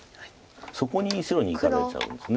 そこに白にいかれちゃうんです。